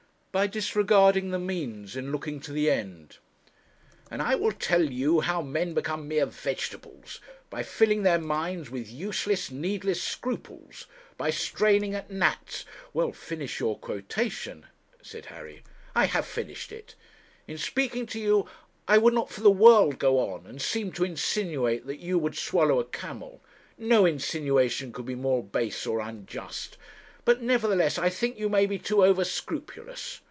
'By disregarding the means in looking to the end.' 'And I will tell you how men become mere vegetables, by filling their minds with useless needless scruples by straining at gnats ' 'Well, finish your quotation,' said Harry. 'I have finished it; in speaking to you I would not for the world go on, and seem to insinuate that you would swallow a camel. No insinuation could be more base or unjust. But, nevertheless, I think you may be too over scrupulous.